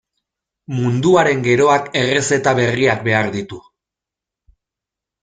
Munduaren geroak errezeta berriak behar ditu.